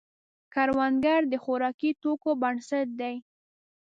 کروندګر د خوراکي توکو بنسټ دی